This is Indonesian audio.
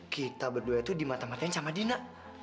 kita berdua itu dimata matain sama dina